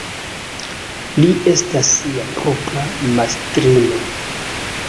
Li estas sia propra mastrino.